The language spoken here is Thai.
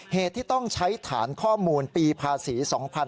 เหตุที่ต้องใช้ฐานข้อมูลปีภาษี๒๕๕๙